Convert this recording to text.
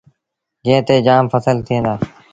جݩهݩ تي جآم ڦسل ٿئيٚݩ دآ۔